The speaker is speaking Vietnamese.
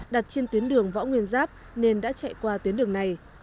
đặt trên tuyến đường võ nguyên giáp nên đã chạy qua tuyến đường này